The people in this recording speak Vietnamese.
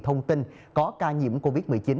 thông tin có ca nhiễm covid một mươi chín